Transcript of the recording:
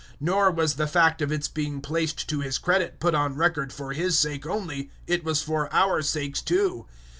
004:023 Nor was the fact of its being placed to his credit put on record for his sake only; 004:024 it was for our sakes too.